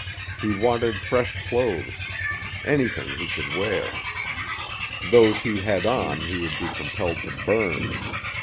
He wanted fresh clothes anything he could wear. Those he had on he would be compelled to burn.